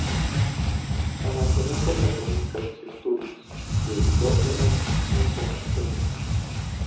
Abandonó por la política sus estudios, y se dedicó con entusiasmo al periodismo.